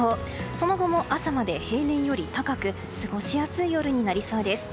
その後も朝まで平年より高く過ごしやすい夜になりそうです。